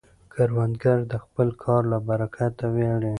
کروندګر د خپل کار له برکته ویاړي